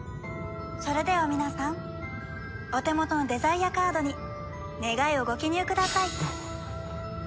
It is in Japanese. それでは皆さんお手元のデザイアカードに願いをご記入ください。